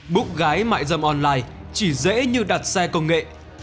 bụng gái mại dâm online chỉ dễ như đặt xe công nghệ